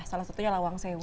salah satunya lawang sewu